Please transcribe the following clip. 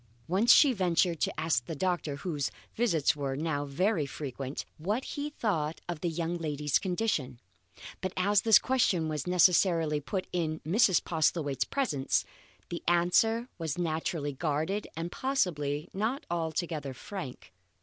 Once she ventured to ask the doctor, whose visits were now very frequent, what he thought of the young lady's condition. But as this question was necessarily put in Mrs. Postlethwaite's presence, the answer was naturally guarded, and possibly not altogether frank.